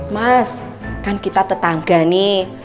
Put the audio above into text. mas kan kita tetangga nih